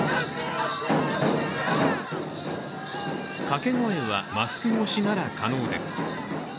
掛け声はマスク越しなら可能です。